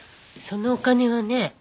そのお金はね